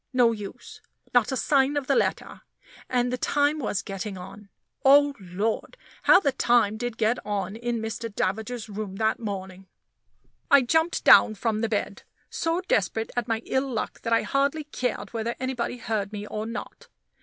No use; not a sign of a letter; and the time was getting on oh, Lord! how the time did get on in Mr. Davager's room that morning. I jumped down from the bed, so desperate at my ill luck that I hardly cared whether anybody heard me or not.